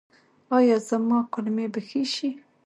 ایا زما کولمې به ښې شي؟